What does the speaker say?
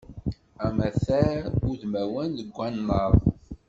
Amatar udmawan deg wannaḍ.